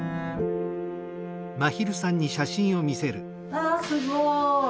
わあすごい。